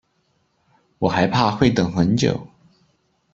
我还怕会等很久